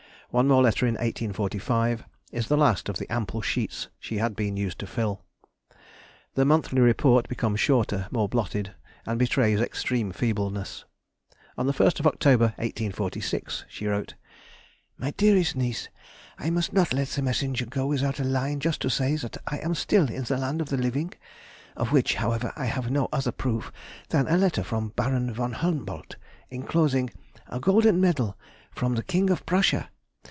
One more letter in 1845, is the last of the ample sheets she had been used to fill. The monthly report becomes shorter, more blotted, and betrays extreme feebleness. On the first of October, 1846, she wrote: MY DEAREST NIECE!— I must not let the messenger go without a line just to say that I am still in the land of the living, of which, however, I have no other proof than a letter from Baron v. Humboldt, inclosing a Golden Medal from the King of Prussia.